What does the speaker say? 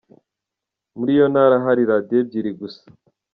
Muri iyo ntara hari Radio ebyiri gusa.